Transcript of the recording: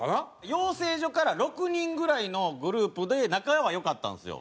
養成所から６人ぐらいのグループで仲は良かったんですよ。